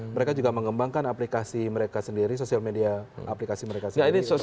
mereka juga mengembangkan aplikasi mereka sendiri sosial media aplikasi mereka sendiri